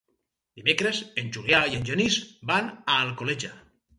Dimecres en Julià i en Genís van a Alcoleja.